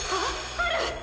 ある！